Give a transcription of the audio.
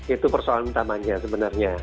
itu persoalan tamannya sebenarnya